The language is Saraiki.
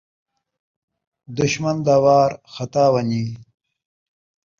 دشمن دا وار خطا ون٘ڄی